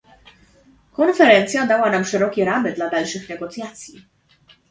Konferencja dała nam szerokie ramy dla dalszych negocjacji